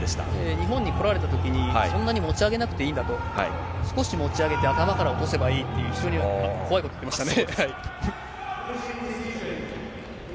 日本に来られたときに、そんなに持ち上げなくていいんだと、少し持ち上げて頭から落とせばいいっていう、非常に怖いこと言ってましたね。